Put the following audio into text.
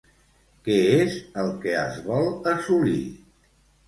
Què és el que es vol assolir?